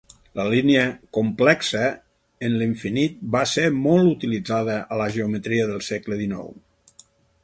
La línia complexa en l'infinit va ser molt utilitzada en la geometria de segle XIX.